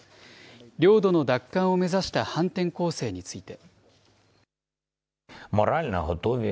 領土の奪還を目指した反転攻勢について。